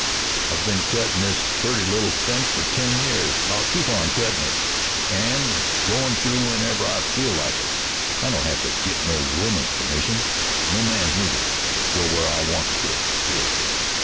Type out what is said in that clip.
"I've been cuttin' this purty little fence for ten years, and I'll keep on cuttin' it and goin' through whenever I feel like it. I don't have to git no woman's permission, and no man's, neither, to go where I want to go, kid."